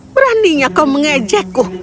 beraninya kau mengejekku